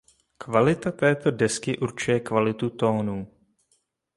Kvalita této desky určuje kvalitu tónů.